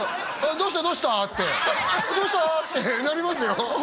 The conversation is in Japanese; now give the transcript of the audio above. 「どうしたどうした？」って「どうした？」ってなりますよ